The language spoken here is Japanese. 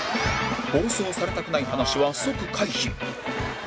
放送されたくない話は即回避